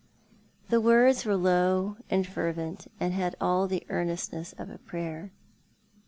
The words were low and fervent, and had all the earnestness of a prayer.